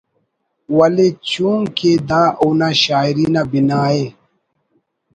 ولے چونکہ دا اونا شاعری نا بنا ءِ